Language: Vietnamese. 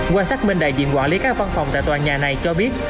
quan sát minh đại diện quản lý các văn phòng tại tòa nhà này cho biết